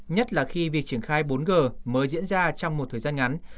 nhất là khi việc triển khai bốn g mới diễn ra trong một thời gian ngắn